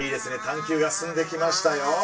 探究が進んできましたよ。